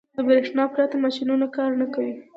• د برېښنا پرته ماشينونه کار نه کوي.